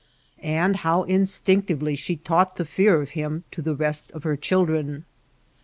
And how instinctively she taught the fear of him to the rest of her chil dren !